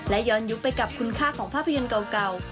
และย้อนยุคไปกับคุณค่าของภาพยนตร์เก่า